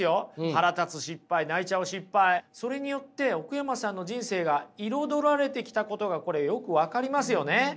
腹立つ失敗泣いちゃう失敗それによって奥山さんの人生が彩られてきたことがこれよく分かりますよね。